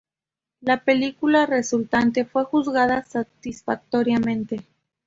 La película resultante fue juzgada satisfactoriamente.